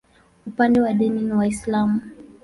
Upande wa dini ni Waislamu.